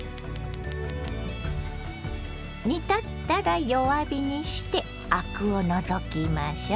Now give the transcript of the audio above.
煮立ったら弱火にしてアクを除きましょう。